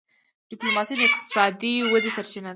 ډيپلوماسي د اقتصادي ودي سرچینه ده.